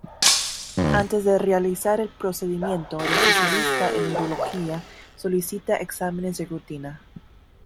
Antes de realizar el procedimiento, el especialista en urología solicita exámenes de rutina.